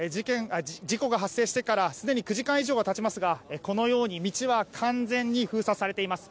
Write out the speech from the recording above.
事故が発生してからすでに９時間以上が経ちますがこのように道は完全に封鎖されています。